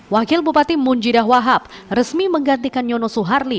wakil bupati munjidah wahab resmi menggantikan nyono suharli